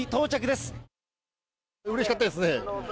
うれしかったですね。